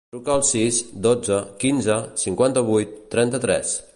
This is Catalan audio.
Truca al sis, dotze, quinze, cinquanta-vuit, trenta-tres.